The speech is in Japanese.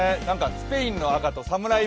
スペインの赤とサムライ